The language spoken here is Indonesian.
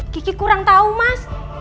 kiki kurang tahu mas